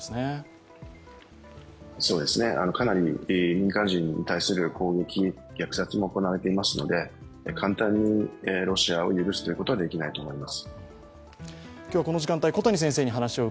かなり民間人に対する攻撃、虐殺も行われていますので、簡単にロシアを許すことはできないと思います。